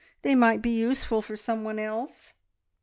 They might be useful for someone else."